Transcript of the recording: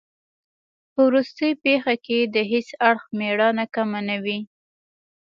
په وروستۍ پېښه کې د هیڅ اړخ مېړانه کمه نه وه.